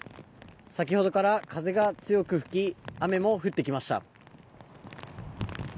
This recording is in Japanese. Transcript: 先ほどから風が強く吹き雨も降ってきました。